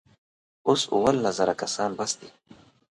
اوس اوولس زره کسان بس دي.